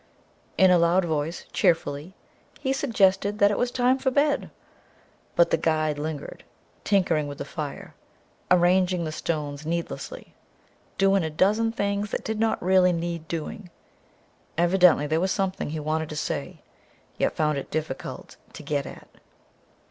In a loud voice, cheerfully, he suggested that it was time for bed. But the guide lingered, tinkering with the fire, arranging the stones needlessly, doing a dozen things that did not really need doing. Evidently there was something he wanted to say, yet found it difficult to "get at."